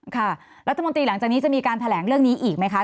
ค่ะรัฐมนตรีหลังจากนี้จะมีการแถลงเรื่องนี้อีกไหมคะ